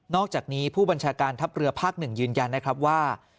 อกจากนี้ผู้บัญชาการทัพเรือภาค๑ยืนยันนะครับว่า